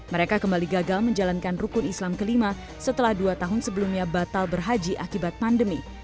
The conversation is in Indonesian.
mereka kembali gagal menjalankan rukun islam kelima setelah dua tahun sebelumnya batal berhaji akibat pandemi